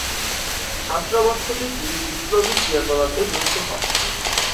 ছাত্রাবস্থাতেই তিনি বিপ্লবী ক্রিয়াকলাপে যুক্ত হন।